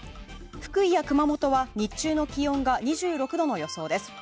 福井や熊本は日中の気温が２６度の予想です。